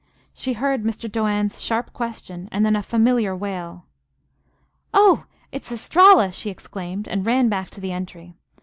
She heard Mr. Doane's sharp question, and then a familiar wail. "Oh! It's Estralla!" she exclaimed, and ran back to the entry.